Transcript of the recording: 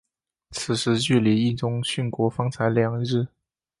此时距离毅宗殉国方才两日。